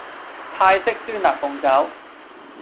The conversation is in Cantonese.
泰式酸辣鳳爪